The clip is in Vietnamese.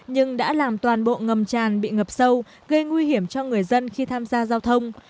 nhưng đã làm toàn bộ ngầm tràn bị ngập sâu gây nguy hiểm cho người dân khi tham gia giao thông